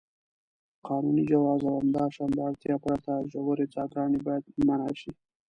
قانوني جواز او همداشان د اړتیا پرته ژورې څاګانې باید منع شي.